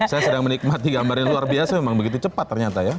saya sedang menikmati gambar yang luar biasa memang begitu cepat ternyata ya